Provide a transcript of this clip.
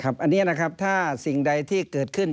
อันนี้นะครับถ้าสิ่งใดที่เกิดขึ้น